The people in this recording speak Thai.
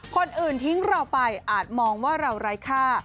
ทิ้งเราไปอาจมองว่าเราไร้ค่า